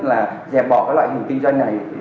là dẹp bỏ loại hình kinh doanh này